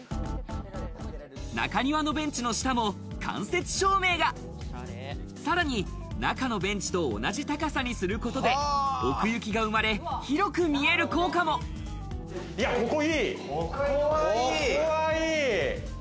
中庭のベンチの下も間接照明が、さらに中のベンチと同じ高さにすることで奥行きがここ、いい！